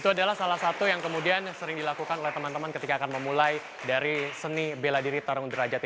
itu adalah salah satu yang kemudian sering dilakukan oleh teman teman ketika akan memulai dari seni bela diri tarung derajati